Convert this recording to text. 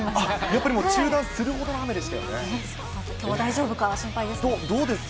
やっぱり中断するほどの雨で大丈夫か心配です。